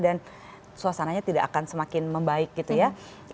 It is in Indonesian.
suasananya tidak akan semakin membaik gitu ya